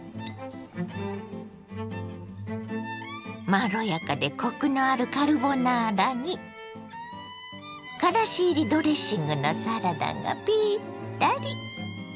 まろやかでコクのあるカルボナーラにからし入りドレッシングのサラダがピッタリ。